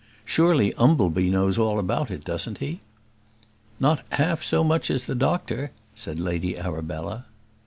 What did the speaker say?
Surely Umbleby knows all about it, doesn't he?" "Not half so much as the doctor," said Lady Arabella.